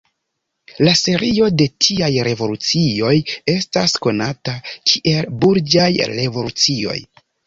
La serio de tiaj revolucioj estas konata kiel Burĝaj revolucioj.